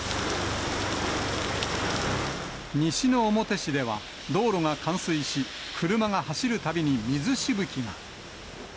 西之表市では道路が冠水し、車が走るたびに水しぶきが。